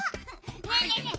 ねえねえねえ